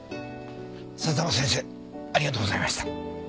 佐沢先生ありがとうございました。